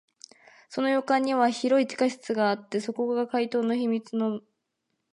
その洋館には広い地下室があって、そこが怪盗の秘密の美術陳列室になっているのです。